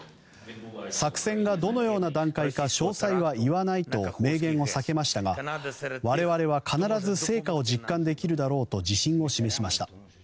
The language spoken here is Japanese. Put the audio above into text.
作戦がどのような段階か詳細は言わないと明言を避けましたが我々は必ず成果を実感できるだろうと自信を示しました。